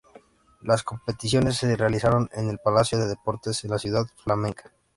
Las competiciones se realizaron en el Palacio de Deportes de la ciudad flamenca.